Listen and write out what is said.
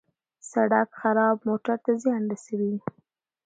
سړک خراب موټر ته زیان رسوي.